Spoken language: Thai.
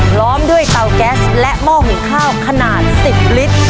พร้อมด้วยเตาแก๊สและหม้อหุงข้าวขนาด๑๐ลิตร